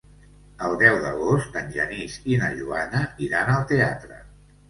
El deu d'agost en Genís i na Joana iran al teatre.